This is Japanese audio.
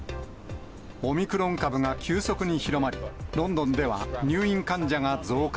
オミクロン株が急速に広まり、ロンドンでは入院患者が増加。